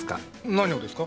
何をですか？